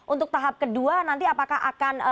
untuk tahap kedua nanti apakah akan